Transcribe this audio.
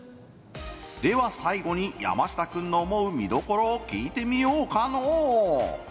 では最後に山下君の思う見どころを聞いてみようかのう。